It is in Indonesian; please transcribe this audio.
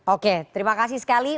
oke terima kasih sekali